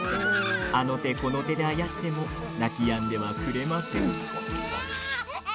あの手この手であやしても泣きやんではくれません。